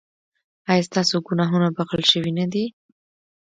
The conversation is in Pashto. ایا ستاسو ګناهونه بښل شوي نه دي؟